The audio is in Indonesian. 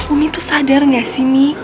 umi tuh sadar gak sih mi